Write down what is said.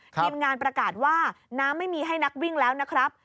ทีมงานประกาศว่าน้ำไม่มีให้นักวิ่งแล้วนะครับ